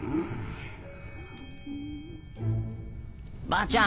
ばあちゃん！